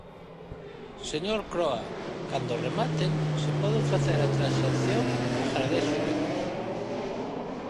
Señor Croa, cando rematen, se poden facer a transacción, agradézollelo.